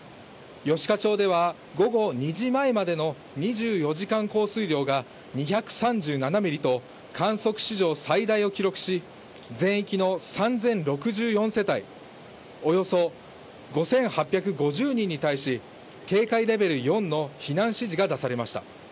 吉賀町では午後２時前までの２４時間降水量が２３７ミリと、観測史上最大を記録し全域の３０６４世帯、およそ５８５０人に対し、警戒レベル４の避難指示が出されました。